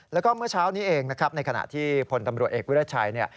แล้วก็เมื่อเช้านี้เองในขณะที่ผลตำรวจเอกวิรัติชัย